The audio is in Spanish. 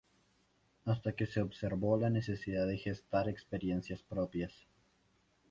Hasta que se observó la necesidad de gestar experiencias propias.